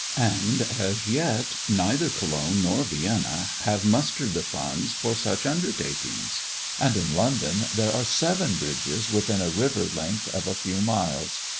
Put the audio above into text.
And as yet neither Cologne nor Vienna have mustered the funds for such undertakings! And in London there are seven bridges within a river length of a few miles.